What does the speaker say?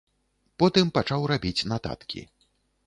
Потым пачаў рабіць нататкі.